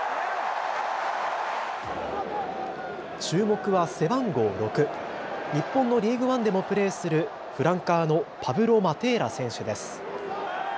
注目は背番号６、日本のリーグワンでもプレーするフランカーのパブロ・マテーラ選手です。